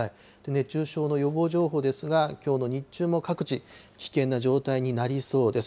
熱中症の予防情報ですが、きょうの日中も各地、危険な状態になりそうです。